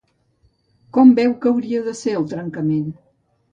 Com veu que hauria de ser el trencament?